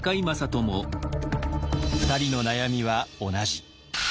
２人の悩みは同じ。